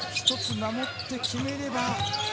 守って決めれば。